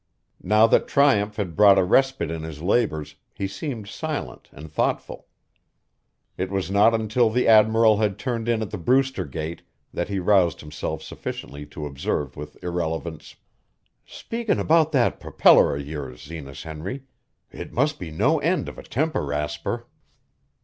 Now that triumph had brought a respite in his labors he seemed silent and thoughtful. It was not until the Admiral turned in at the Brewster gate that he roused himself sufficiently to observe with irrelevance: "Speakin' about that propeller of yours, Zenas Henry it must be no end of a temper rasper."